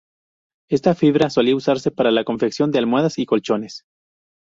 Esta fibra solía usarse para la confección de almohadas y colchones.